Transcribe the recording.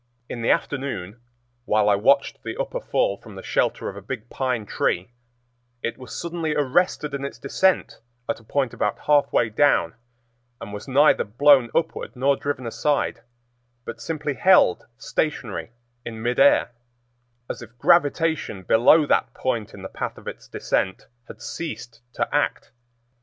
In the afternoon, while I watched the Upper Fall from the shelter of a big pine tree, it was suddenly arrested in its descent at a point about half way down, and was neither blown upward nor driven aside, but simply held stationary in mid air, as if gravitation below that point in the path of its descent had ceased to act.